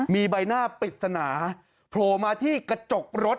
มีใบหน้าปริศนาโผล่มาที่กระจกรถ